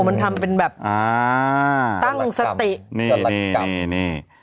อ๋อมันทำเป็นแบบตั้งสติ